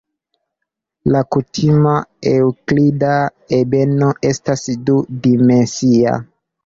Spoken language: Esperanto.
La kutima eŭklida ebeno estas du-dimensia.